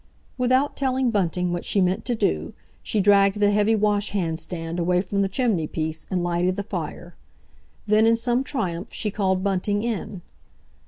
Without telling Bunting what she meant to do, she dragged the heavy washhand stand away from the chimneypiece, and lighted the fire. Then in some triumph she called Bunting in.